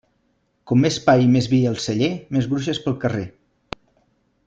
Com més pa i més vi al celler, més bruixes pel carrer.